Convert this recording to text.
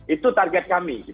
itu target kami